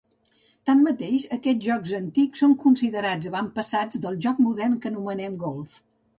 Tanmateix, aquests jocs antics són considerats avantpassats del joc modern que anomenem golf.